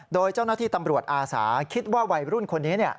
โดยเจ้าหน้าที่ตำรวจอาสาคิดว่าวัยรุ่นคนนี้